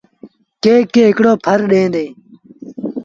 ڪي ڪي هڪڙو ڦر ڏيݩ ديٚݩ۔